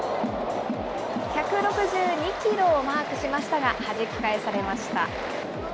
１６２キロをマークしましたが、はじき返されました。